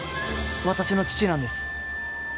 私の父なんです。